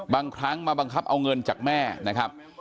บางครั้งมาบังคับเอาเงินจากแม่นะครับ